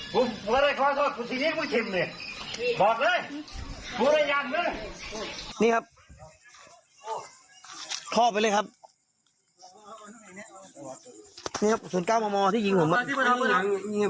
ขอโทษท่านพี่ขอโทษท่านพี่ผมก็ได้ขอโทษทีนี้คุณสิบหน่อย